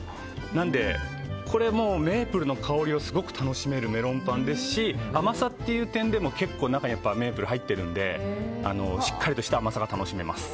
なので、これはメープルの香りをすごく楽しめるメロンパンですし甘さっていう点でも中にメープルが入ってるのでしっかりとした甘さが楽しめます。